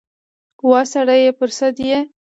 وا سړیه پر سد یې ؟